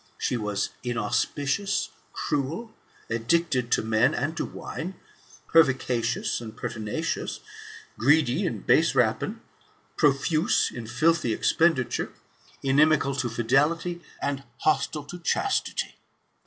She was inauspicious, cruel, addicted to men and wine, pervicacious and pertinacious,' greedy in base rapine, profuse in filthy expenditure, inimical to fidelity, and hostile to chastity.